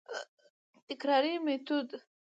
تکراري ميتود: